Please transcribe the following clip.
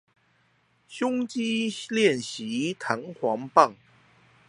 胸肌練習彈簧棒